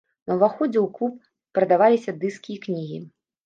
На ўваходзе ў клуб прадаваліся дыскі і кнігі.